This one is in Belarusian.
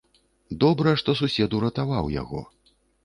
Добра, што сусед уратаваў яго.